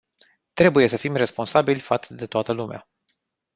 Trebuie să fim responsabili față de toată lumea.